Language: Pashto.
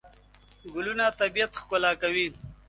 ګلونه طبیعت ښکلا کوي.